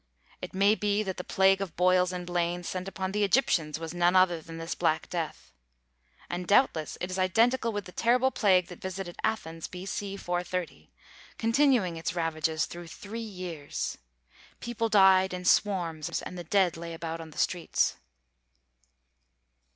It may be that the plague of boils and blains sent upon the Egyptians was none other than this Black Death. And doubtless it is identical with the terrible plague that visited Athens, B. C., 430, continuing its ravages through three years. People died in swarms, and the dead lay about the streets.